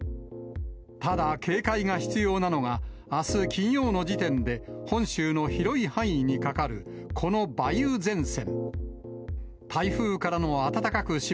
ただ、警戒が必要なのが、あす金曜の時点で、本州の広い範囲にかかるこの梅雨前線。